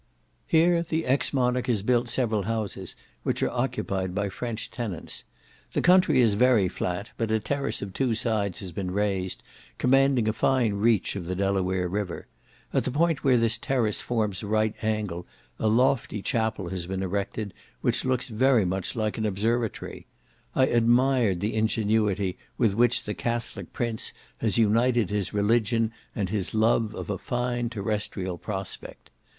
Here the ex monarch has built several houses, which are occupied by French tenants. The country is very flat, but a terrace of two sides has been raised, commanding a fine reach of the Delaware River; at the point where this terrace forms a right angle, a lofty chapel has been erected, which looks very much like an observatory; I admired the ingenuity with which the Catholic prince has united his religion and his love of a fine terrestrial prospect.